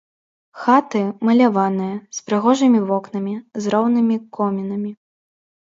Хаты маляваныя, з прыгожымі вокнамі, з роўнымі комінамі.